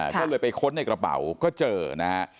ก็เลยไปค้นในกระเป๋าก็เจอนะฮะ